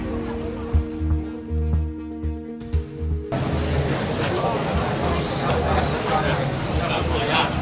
พร้อมครับ